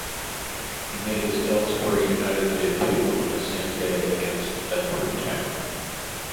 He made his Aylesbury United debut on the same day against Bedford Town.